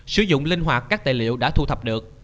sử dụng linh hoạt các tài liệu đã thu thập được